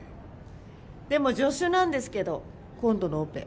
でも助手なんですけど今度のオペ。